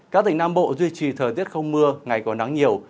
các tỉnh nam bộ duy trì thời tiết không mưa ngày có nắng nhiều